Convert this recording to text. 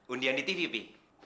undian di tv pi